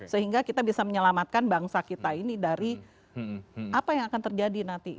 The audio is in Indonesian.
sehingga kita bisa menyelamatkan bangsa kita ini dari apa yang akan terjadi nanti